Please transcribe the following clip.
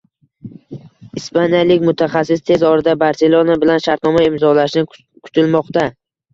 Ispaniyalik mutaxassis tez orada Barselona bilan shartnoma imzolashi kutilmoqda